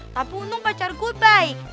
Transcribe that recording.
tapi untung pacar gua baik